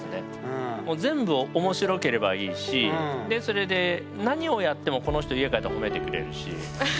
もう全部面白ければいいしでそれで何をやってもこの人家帰ったら褒めてくれるし。